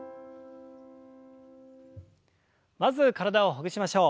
まず体をほぐしましょう。